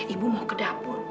ibu mau ke dapur